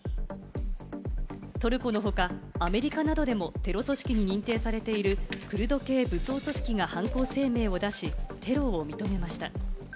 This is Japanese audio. トルコの他、アメリカなどでもテロ組織に認定されているクルド系武装組織が犯行声明を出し、テロを認めました。